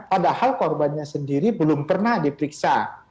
padahal korbannya sendiri belum pernah diperiksa